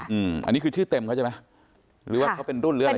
อืมอันนี้คือชื่อเต็มเขาใช่ไหมหรือว่าเขาเป็นรุ่นหรืออะไร